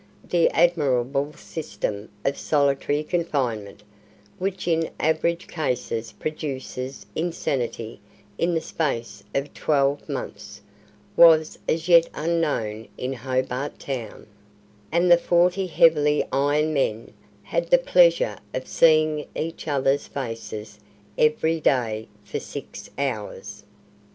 The admirable system of solitary confinement which in average cases produces insanity in the space of twelve months was as yet unknown in Hobart Town, and the forty heavily ironed men had the pleasure of seeing each other's faces every day for six hours.